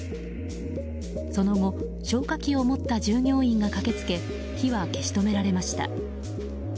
その後消火器を持った従業員が駆け付け火は消し止められました。